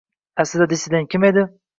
Aslida “dissident” kim o‘zi?